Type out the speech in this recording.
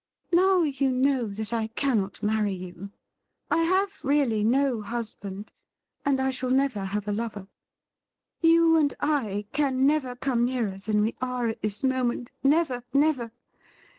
' Now you know that I cannot marry you. I have really no husband, and I shall never have a lover. You and I can never come nearer than we are at this moment— never, never!